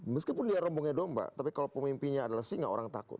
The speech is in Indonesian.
meskipun dia rombongnya domba tapi kalau pemimpinnya adalah singa orang takut